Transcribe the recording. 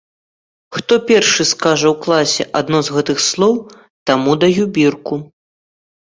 Хто першы скажа ў класе адно з гэтых слоў, таму даю бірку.